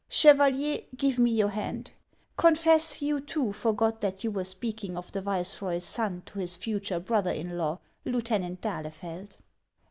Chevalier, give me your hand. Confess, you too forgot that you were speak ing of the viceroy's son to his future brother in law, Lieu tenant d'Ahlefeld."